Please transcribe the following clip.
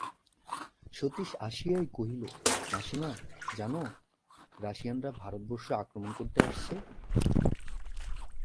সতীশ আসিয়াই কহিল, মাসিমা, জান, রাশিয়ানররা ভারতবর্ষ আক্রমণ করতে আসছে?